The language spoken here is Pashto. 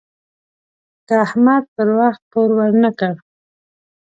که احمد پر وخت پور ورنه کړ.